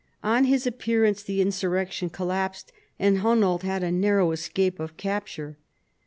On his appearance the insur rection collapsed and Hunold had a narrow escape of capture.